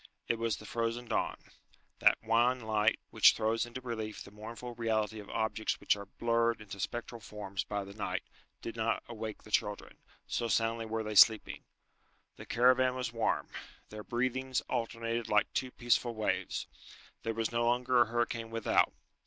It was the frozen dawn. That wan light which throws into relief the mournful reality of objects which are blurred into spectral forms by the night, did not awake the children, so soundly were they sleeping. The caravan was warm. Their breathings alternated like two peaceful waves. There was no longer a hurricane without.